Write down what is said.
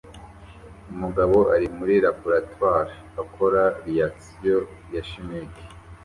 Umugabo ari muri laboratoire akora reaction ya chimique